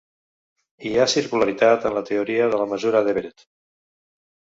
Hi ha circularitat en la teoria de la mesura d'Everett.